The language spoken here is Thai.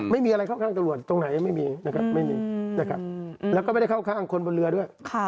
ไม่มีอะไรเข้าข้างตำรวจตรงไหนไม่มีแล้วก็ไม่ได้เข้าข้างคนบนเรือด้วย